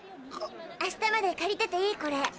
あしたまで借りてていい？